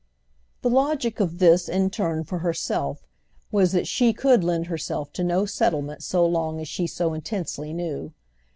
The logic of this, in turn, for herself, was that she could lend herself to no settlement so long as she so intensely knew.